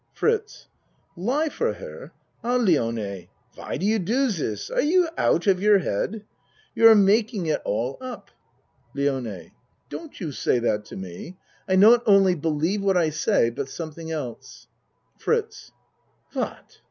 FRITZ Lie for her? Ah, Lione, why do you do dis ? Are you out of your head ? You are making it 32 A MAN'S WORLD all up. LIONE Don't you say that to me. I not only believe what I say but something else. FRITZ What?